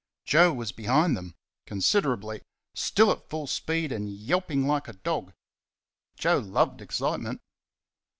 Joe was behind them considerably still at full speed and yelping like a dog. Joe loved excitement.